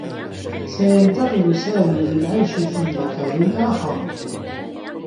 سينتقل سامي للعيش في مكان آخر.